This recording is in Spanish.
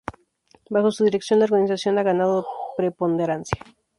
Bajo su dirección, la organización ha ganado preponderancia.